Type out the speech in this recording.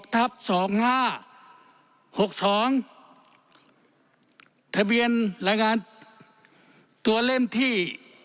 ทะเบียนรายงานตัวเล่มที่๖๗๙๘